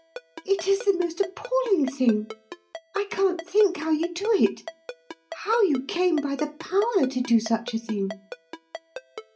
"It is the most appalling thing. I can't think how you do it how you came by the power to do such a thing."